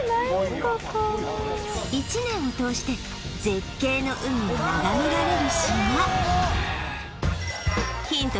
ここ一年を通して絶景の海を眺められる島ヒント